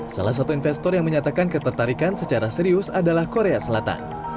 salah satu investor yang menyatakan ketertarikan secara serius adalah korea selatan